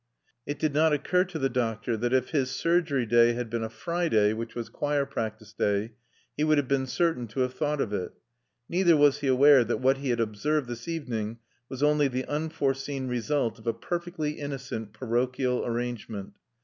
It did not occur to the doctor that if his surgery day had been a Friday, which was choir practice day, he would have been certain to have thought of it. Neither was he aware that what he had observed this evening was only the unforeseen result of a perfectly innocent parochial arrangement.